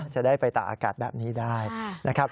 จะได้ไปตากอากาศแบบนี้ได้นะครับ